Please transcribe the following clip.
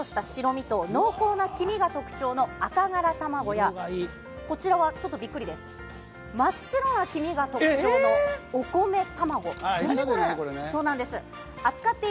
食べられるのはしっかりとした白身と濃厚な黄身が特徴の「赤がら卵」や、こちらはちょっとびっくりです、真っ白な黄身が特徴の「お米卵」。